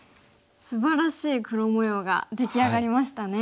すばらしい黒模様が出来上がりましたね。